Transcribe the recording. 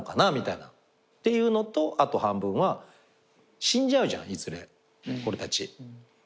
っていうのとあと半分は死んじゃうじゃんいずれ俺たち。